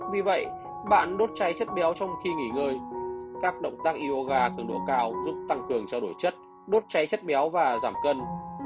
vì vậy bạn đốt cháy chất béo trong khi nghỉ ngơi các động tác yoga cứng độ cao giúp tăng cường trao đổi chất đốt cháy chất béo và giảm cân